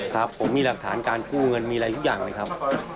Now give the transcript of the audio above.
ครับผมมีหลักฐานการกู้เงินมีอะไรทุกอย่างเลยครับ